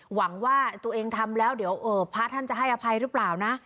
หวังว่าตัวเองทำแล้วเดี๋ยวพระท่านจะให้อภัยหรือเปล่านะ